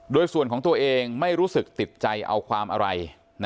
โดยส่วนของตัวเองไม่รู้สึกติดใจเอาความอะไร